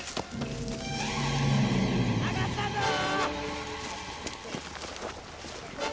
・上がったぞー！